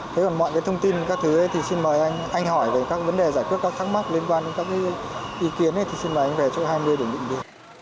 thế còn mọi cái thông tin các thứ thì xin mời anh hỏi về các vấn đề giải quyết các thắc mắc liên quan đến các ý kiến thì xin mời anh về chỗ hai mươi để nhận được